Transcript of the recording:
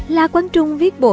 la quán trung viết bộ